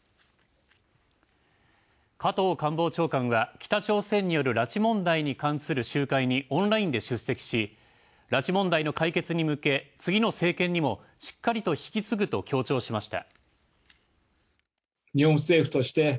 加藤官房長官は、北朝鮮による拉致問題に関する集会にオンラインで出席し、拉致問題の解決に向け、次の政権にもしっかりと引き継ぐと強調しました。